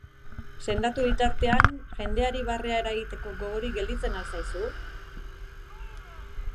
Sendatu bitartean, jendeari barrea eragiteko gogorik gelditzen al zaizu?